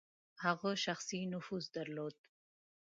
هغه شخصي نفوذ درلود.